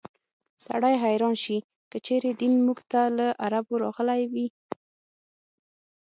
سړی حیران شي که چېرې دین موږ ته له عربو راغلی وي.